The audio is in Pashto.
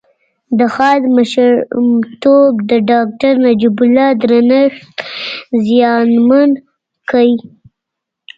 د خاد مشرتوب د داکتر نجيب الله درنښت زیانمن کړ